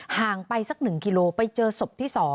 ห่างไปสัก๑กิโลไปเจอศพที่๒